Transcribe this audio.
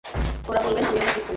ওরে বলবেন আমিও অনেক মিস করি।